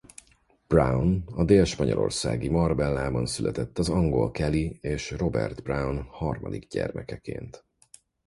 Brown a dél-spanyolországi Marbellában született az angol Kelly és Robert Brown harmadik gyermekeként.